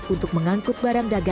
untuk mengangkut barang dagangan